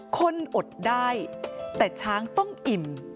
คนอดได้แต่ช้างต้องอิ่ม